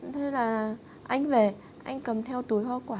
thế là anh về anh cầm theo túi hoa quả